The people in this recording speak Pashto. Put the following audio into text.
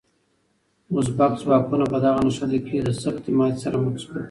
ازبک ځواکونه په دغه نښته کې له سختې ماتې سره مخ شول.